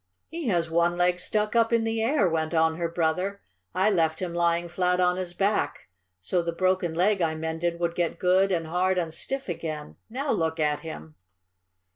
"He has one leg stuck up in the air," went on her brother. "I left him lying flat on his back, so the broken leg I mended would get good and hard and stiff again. Now look at him!"